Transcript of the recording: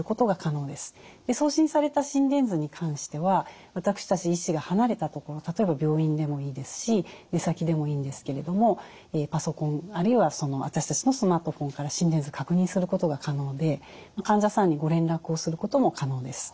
送信された心電図に関しては私たち医師が離れた所例えば病院でもいいですし出先でもいいんですけれどもパソコンあるいは私たちのスマートフォンから心電図確認することが可能で患者さんにご連絡をすることも可能です。